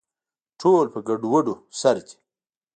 ټول په ګډووډو سر دي